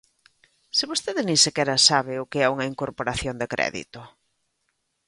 ¡Se vostede nin sequera sabe o que é unha incorporación de crédito!